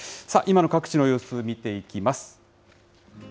さあ、今の各地の様子、見ていきます。